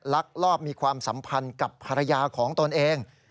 ลักลอบมีความสัมพันธ์กับภรรยาของตนเอง